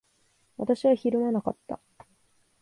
私はひるまなかった。